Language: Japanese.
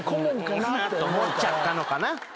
思っちゃったのかな。